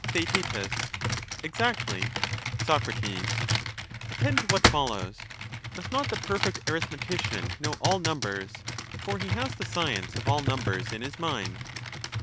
Theaet Exactly. Soc, Attend to what follows : must not the perfect arithme tician know all numbers, for he has the science of all numbers in his mind